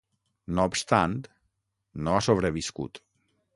No obstant, no ha sobreviscut.